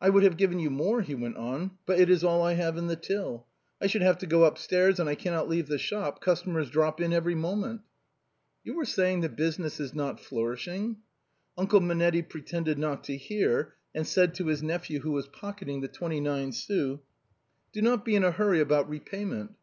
I would have given you more," he went on, " but it is all I have in the till. I should have to go upstairs and I cannot leave the shop, customers drop in every moment." "You were saying that business was not flourishing?" Uncle Monetti pretended not to hear, and said to his nephew who was pocketing the twenty nine sous: " Do not be in a hurry about repayment."